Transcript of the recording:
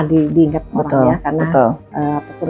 diingat orang ya karena betul